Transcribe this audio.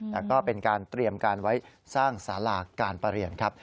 แต่ก็เป็นการเตรียมการไว้สร้างสาราการประเรียนครับ